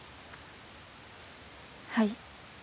はい。